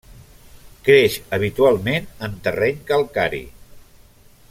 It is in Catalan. Creix habitualment en terreny calcari.